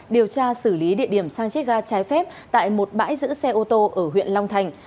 điều tra xử lý địa điểm sang chiếc ga trái phép tại một bãi giữ xe ô tô ở huyện long thành